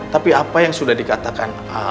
tapi apa yang sudah dikatakan